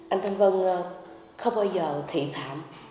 anh thanh vân không bao giờ thị phạm